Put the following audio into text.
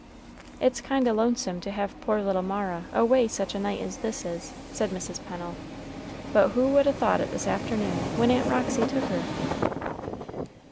"It's kind o' lonesome to have poor little Mara away such a night as this is," said Mrs. Pennel; "but who would a thought it this afternoon, when Aunt Roxy took her?"